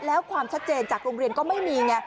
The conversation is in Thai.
แล้วความชัดเจนจากโรงเรียนก็ไม่มีไง